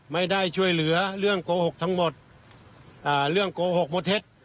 ไม่ได้ช่วยเหลือเรื่องโกหกหมดเท็จ